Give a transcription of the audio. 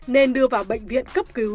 nên đưa vào bệnh viện cấp cứu